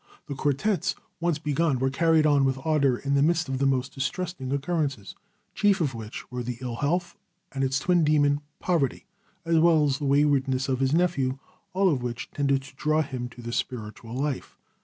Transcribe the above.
The quartets once begun were carried on with ardor in the midst of most distressing occurrences, chief of which were ill health and its twin demon, poverty, as well as the waywardness of his nephew, all of which tended to draw him to the spiritual life.